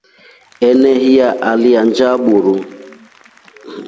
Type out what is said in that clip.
Enehiya alya nja buru.